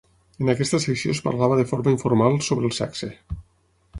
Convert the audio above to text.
En aquesta secció es parlava de forma informal sobre el sexe.